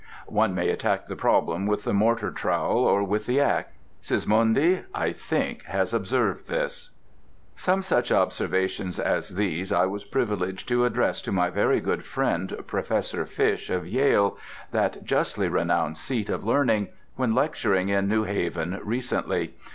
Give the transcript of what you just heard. One may attack the problem with the mortar trowel, or with the axe. Sismondi, I think, has observed this. Some such observations as these I was privileged to address to my very good friend, Professor Fish, of Yale, that justly renowned seat of learning, when lecturing in New Haven recently.